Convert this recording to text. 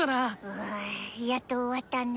ああやっと終わったね。